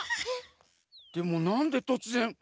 でもなんでとつぜん旅に？